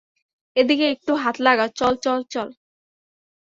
এদিকে, একটু হাত লাগা, চল, চল, চল!